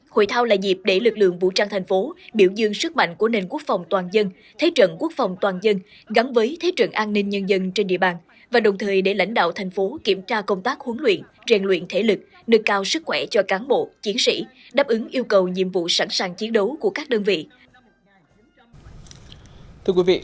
khối thao là dịp để lực lượng vũ trang thành phố biểu dương sức mạnh của nền quốc phòng toàn dân thế trận quốc phòng toàn dân gắn với thế trận an ninh nhân dân trên địa bàn và đồng thời để lãnh đạo thành phố kiểm tra công tác huấn luyện rèn luyện thể lực được cao sức khỏe cho cán bộ chiến sĩ đáp ứng yêu cầu nhiệm vụ sẵn sàng chiến đấu của các đơn vị